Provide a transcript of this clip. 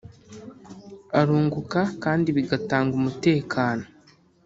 arunguka kandi bigatanga umutekano